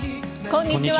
こんにちは。